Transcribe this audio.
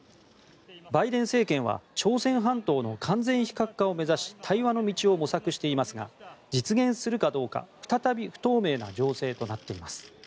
バイデン政権は朝鮮半島の完全非核化を目指し対話の道を模索していますが実現するかどうか再び不透明な情勢となっています。